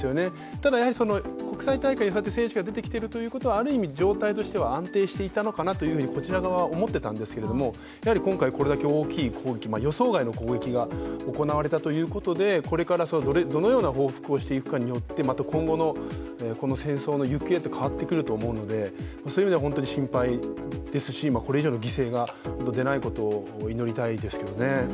ただ、国際大会に選手が出てきているということはある意味情勢は安定していたのかなとこちら側は思っていたんですけれども、今回これだけ大きい予想外の攻撃が行われたということで、これからどのような報復をしていくのかによってまた今後の戦争の行方って変わってくると思うのでそういう意味では本当に心配ですしこれ以上の犠牲が出ないことを祈りたいですね